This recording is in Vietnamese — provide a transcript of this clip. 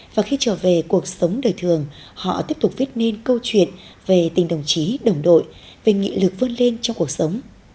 và khi trở về cuộc sống đời thường họ tiếp tục viết nên câu chuyện về tình đồng chí đồng đội về nghị lực vươn lên trong cuộc sống